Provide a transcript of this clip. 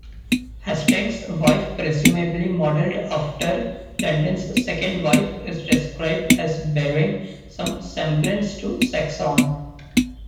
Hasting's wife-presumably modeled after London's second wife-is described as bearing some semblance to Saxon.